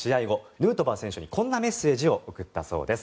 ヌートバー選手にこんなメッセージを送ったそうです。